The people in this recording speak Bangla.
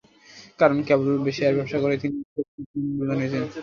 কারণ, কেবল শেয়ার ব্যবসা করেই তিনি বিশ্বের অন্যতম সেরা ধনী হয়েছেন।